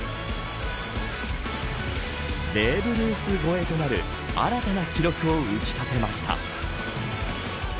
ベーブ・ルース超えとなる新たな記録を打ち立てました。